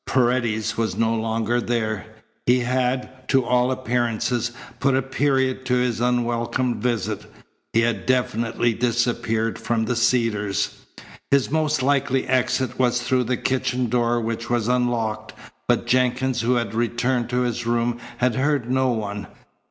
Paredes was no longer there. He had, to all appearances, put a period to his unwelcome visit. He had definitely disappeared from the Cedars. His most likely exit was through the kitchen door which was unlocked, but Jenkins who had returned to his room had heard no one.